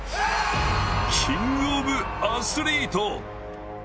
キングオブアスリート。